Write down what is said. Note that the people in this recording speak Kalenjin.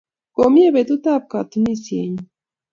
Ko myee petut ap katunisyenyi